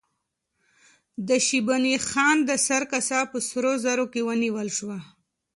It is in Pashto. د شیباني خان د سر کاسه په سرو زرو کې ونیول شوه.